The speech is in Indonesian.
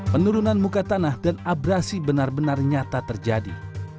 penurunan muka tanah dan abrasi benar benar nyata terjadi